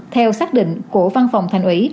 theo xác định của văn phòng thành ủy